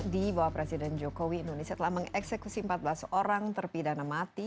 di bawah presiden jokowi indonesia telah mengeksekusi empat belas orang terpidana mati